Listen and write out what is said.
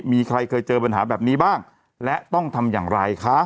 มีใครเคยเจอปัญหาแบบนี้บ้างและต้องทำอย่างไรคะ